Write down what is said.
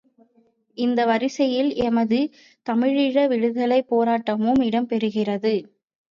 இந்த வரிசையில் எமது தமிழீழ விடுதலைப் போராட்டமும் இடம் பெறுகிறது.